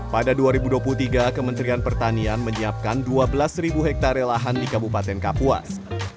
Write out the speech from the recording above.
pada dua ribu dua puluh tiga kementerian pertanian menyiapkan dua belas hektare lahan di kabupaten kapuas